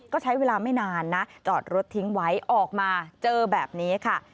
ก็ใช้เวลาไม่นานนะจอดรถทิ้งไว้ออกมาเจอแบบนี้ค่ะ